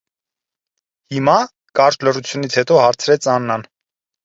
- Հիմա՞,- կարճ լռությունից հետո հարցրեց Աննան: